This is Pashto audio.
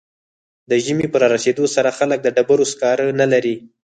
د ژمي په رارسیدو سره خلک د ډبرو سکاره نلري